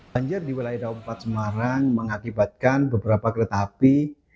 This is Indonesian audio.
banjir di wilayah daumpat semarang mengakibatkan beberapa kereta api